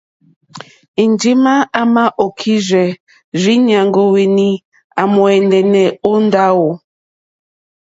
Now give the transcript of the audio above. Enjema à mà okirzɛ rzii nyàŋgo wèni à mò ɛ̀ndɛ̀nɛ̀ o ndawò.